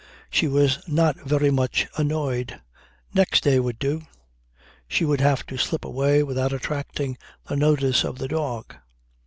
She was not very much annoyed. Next day would do. She would have to slip away without attracting the notice of the dog.